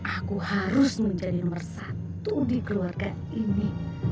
aku harus menjadi nomor satu di keluarga ini